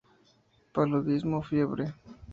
Paludismo, fiebre.